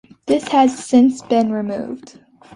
This has since been removed.